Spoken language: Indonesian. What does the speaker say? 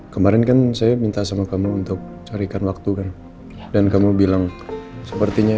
kemarin kan saya minta sama kamu untuk carikan waktu kan dan kamu bilang sepertinya